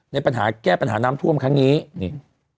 ในปัญหาแก้ปัญหาน้ำท่วมครั้งนี้นี่